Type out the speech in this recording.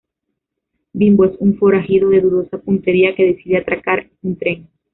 Bimbo es un forajido de dudosa puntería que decide atracar un tren.